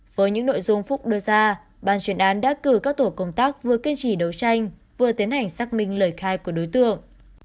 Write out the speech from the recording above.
với những nội dung phúc đưa ra ban chuyển án đã cử các tổ công tác vừa kiên trì đấu tranh vừa tiến hành xác minh lời khai của đối tượng